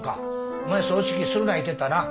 お前葬式するな言うてたな。